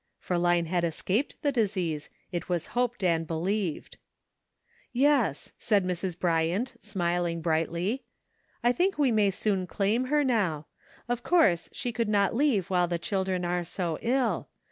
For Line had escaped the disease, it was hoped and believed. " Yes,'% said Mrs. Bryant, smiling brightly, " I think we may soon claim her now. Of course she could not leave while the children are so ill.